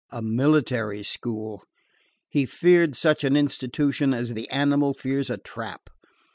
A military school! He feared such an institution as the animal fears a trap.